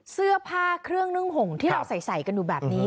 เสื้อผ้าเครื่องนึ่งห่มที่เราใส่กันอยู่แบบนี้